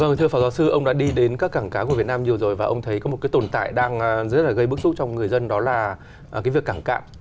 vâng thưa phó giáo sư ông đã đi đến các cảng cá của việt nam nhiều rồi và ông thấy có một cái tồn tại đang rất là gây bức xúc trong người dân đó là cái việc cảng cạn